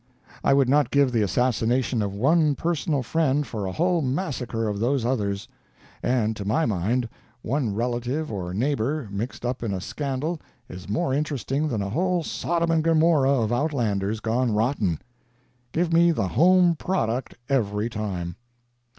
I would not give the assassination of one personal friend for a whole massacre of those others. And, to my mind, one relative or neighbor mixed up in a scandal is more interesting than a whole Sodom and Gomorrah of outlanders gone rotten. Give me the home product every time.